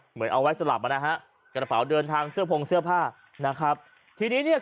เหมือนเอาไว้สลับมานะฮะกระเป๋าเดินทางเสื้อพงเสื้อผ้านะครับทีนี้เนี่ย